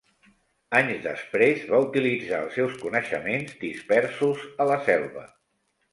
Anys després, va utilitzar els seus coneixements dispersos a la selva.